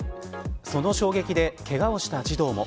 その衝撃で、けがをした児童も。